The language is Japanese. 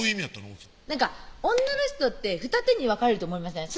奥さんなんか女の人って二手に分かれると思いません？